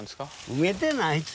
埋めてないって。